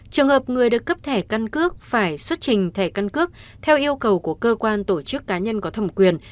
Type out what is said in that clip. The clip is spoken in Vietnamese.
trường hợp người được cấp thẻ căn cước phải xuất trình thẻ căn cước theo yêu cầu của cơ quan tổ chức cá nhân có thẩm quyền